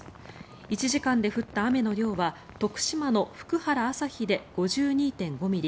１時間で降った雨の量は徳島の福原旭で５２．５ミリ